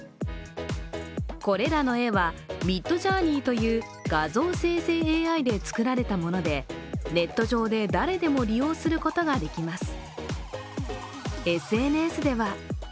これらの絵はミッドジャーニーという画像生成ＡＩで作られたもので、ネット上で誰でも利用することができます。